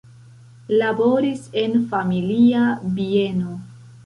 Laboris en familia bieno.